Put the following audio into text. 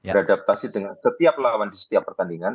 beradaptasi dengan setiap lawan di setiap pertandingan